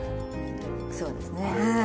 そうですねはい。